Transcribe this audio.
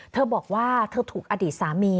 เธอบอกว่าเธอถูกอดีตสามี